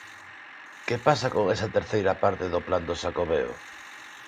¿Que pasa con esa terceira parte do plan do Xacobeo?